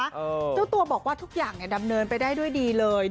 เจ้าตัวบอกว่าทุกอย่างเนี่ยดำเนินไปได้ด้วยดีเลย